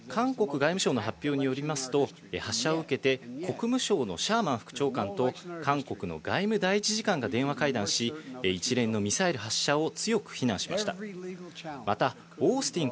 一方、韓国外務省の発表によりますと、発射を受けて国務省のシャーマン副長官と韓国の外務第一次官が電話会談し、一連のミサイル発射を強く非難しました。